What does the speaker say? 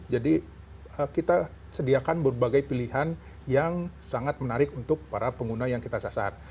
jadi kita sediakan berbagai pilihan yang sangat menarik untuk para pengguna yang kita sasar